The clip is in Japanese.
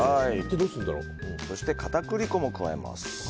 そして片栗粉も加えます。